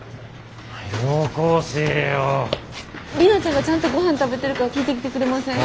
里奈ちゃんがちゃんとごはん食べてるか聞いてきてくれません？